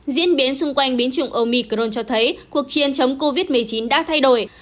diễn biến xung quanh biến chủng omicron cho thấy cuộc chiến chống covid một mươi chín đã thay đổi